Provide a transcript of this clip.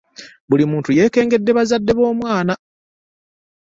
Buli muntu yeekengedde bazadde b'omwana.